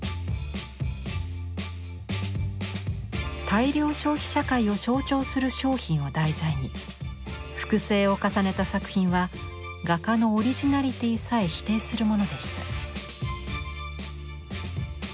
大量消費社会を象徴する商品を題材に複製を重ねた作品は画家のオリジナリティーさえ否定するものでした。